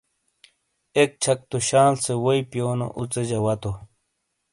ایک چھک تو شال سے وئی پیونو اوژے جہ واتو۔